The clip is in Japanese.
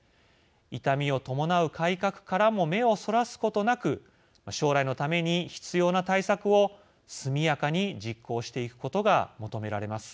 痛みを伴う改革からも目をそらすことなく将来のために必要な対策を速やかに実行していくことが求められます。